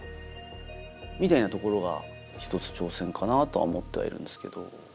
みたいなところが１つ挑戦かなとは思ってはいるんですけど。